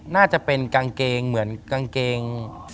น่าจะเป็นกางเกงเหมือนกางเกง